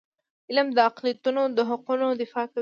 علم د اقلیتونو د حقونو دفاع کوي.